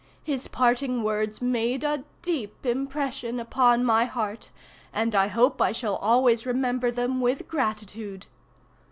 His parting words made a deep impression upon my heart, and I hope I shall always remember them with gratitude.